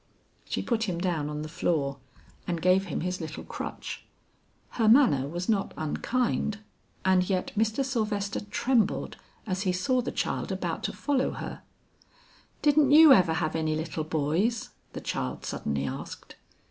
She put him down on the floor, and gave him his little crutch. Her manner was not unkind, and yet Mr. Sylvester trembled as he saw the child about to follow her. "Didn't you ever have any little boys?" the child suddenly asked.